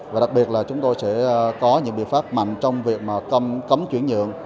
và đặc biệt là chúng tôi sẽ có những biện pháp mạnh trong việc cấm chuyển nhượng